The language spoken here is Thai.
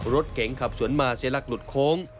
รถเก๋งขับสวนมาเสียหลักหลุดโค้ง